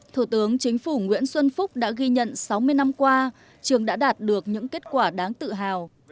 thủ tướng chính phủ nguyễn xuân phúc đã ghi nhận sáu mươi năm qua trường đã đạt được những kết quả đáng tự hào